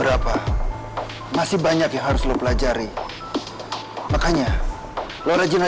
orang mudah mudahan doanya malah nyopain